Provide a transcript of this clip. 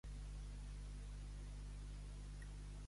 Quan es van veure Jambon i Larrotcha?